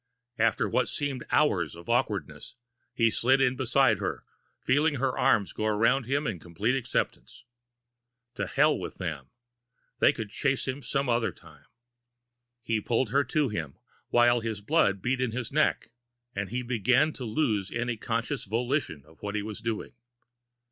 After what seemed hours of awkwardness, he slid in beside her, feeling her arms go around him in complete acceptance. To hell with them! They could chase him some other time! He pulled her to him, while his blood beat in his neck, and he began to lose any conscious volition of what he was doing.